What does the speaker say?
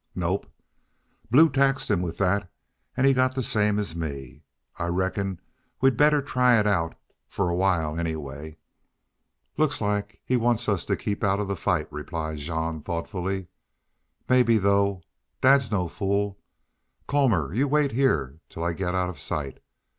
"Nope. Blue taxed him with that an' got the same as me. I reckon we'd better try it out, for a while, anyway." "Looks like he wants us to keep out of the fight," replied Jean, thoughtfully. "Maybe, though ... Dad's no fool. Colmor, you wait here till I get out of sight.